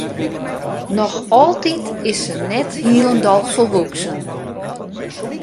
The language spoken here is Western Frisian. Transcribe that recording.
Noch altyd is se net hielendal folwoeksen.